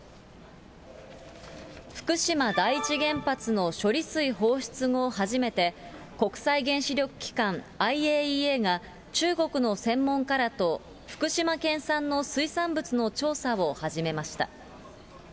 福島第一原発の処理水放出後初めて、国際原子力機関・ＩＡＥＡが、中国の専門家らと、福島県産の水産物の調査を始めました。